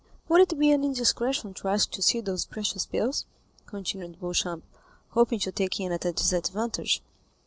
"Would it be an indiscretion to ask to see those precious pills?" continued Beauchamp, hoping to take him at a disadvantage.